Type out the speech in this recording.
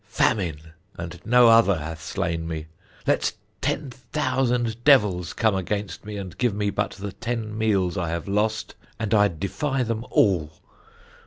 Famine, and no other, hath slain me: let ten thousand devils come against me, and give me but the ten meals I have lost, and I'd defy them all.